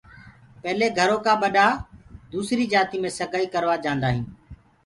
پيلي گھرو ڪآ ٻڏآ سگائي دوسري جآتي مي سگائي ڪروآ جاندآ هينٚ۔